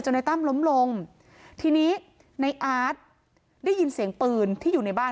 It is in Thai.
ในตั้มล้มลงทีนี้ในอาร์ตได้ยินเสียงปืนที่อยู่ในบ้าน